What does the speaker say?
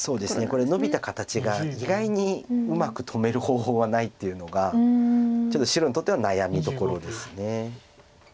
これノビた形が意外にうまく止める方法がないっていうのがちょっと白にとっては悩みどころです。